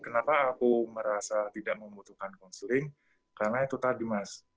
saya merasa tidak membutuhkan konseling karena itu tadi mas